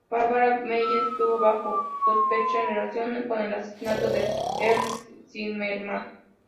Barbara Meyer estuvo bajo sospecha en relación con el asesinato del Dr. Ernst Zimmermann.